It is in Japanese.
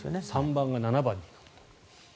３番が７番になる。